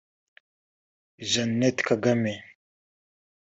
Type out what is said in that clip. Jeannette Kagame